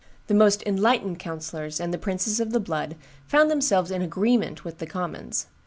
"The most enlightened councillors and the princes of the blood found themselves in agreement with the commons.